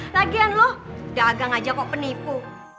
lagian loh dagang aja kok penipu